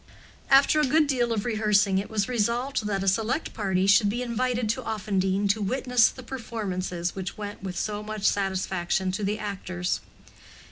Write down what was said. After a good deal of rehearsing it was resolved that a select party should be invited to Offendene to witness the performances which went with so much satisfaction to the actors.